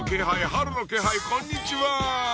春の気配こんにちは！